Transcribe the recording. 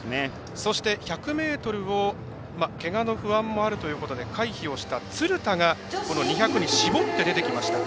そして、１００ｍをけがの不安もあるということで回避をした鶴田が、この２００に絞って出てきました。